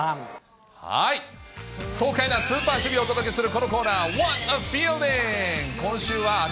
爽快なスーパー守備をお届けするこのコーナー、ホワット・ア・フィールディング。